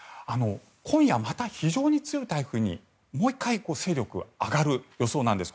今夜、また非常に強い台風にもう１回勢力が上がる予想なんです。